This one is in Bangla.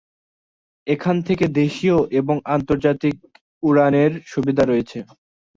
এখান থেকে দেশীয় এবং আন্তর্জাতিক উড়ানের সুবিধা রয়েছে।